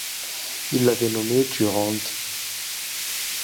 Il l’avait nommé Durande.